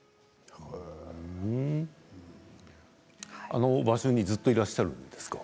あの場所にずっといらっしゃるんですか？